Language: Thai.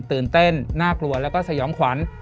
ตื่นเต้นน่ากลัวแล้วก็สยองขวัญ